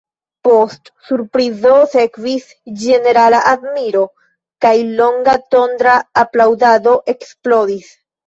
Post surprizo sekvis ĝenerala admiro, kaj longa tondra aplaŭdado eksplodis.